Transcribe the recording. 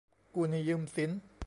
กู้หนี้ยืมสิน